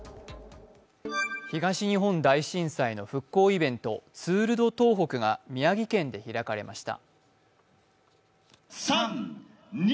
東日本大震災の復興イベントツール・ド・東北が宮城県で開かれました。